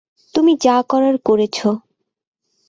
তুমি যা করার করেছ।